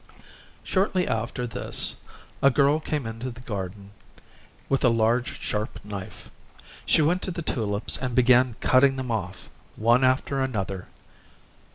Shortly after this a girl came into the garden, with a large sharp knife. She went to the tulips and began cutting them off, one after another.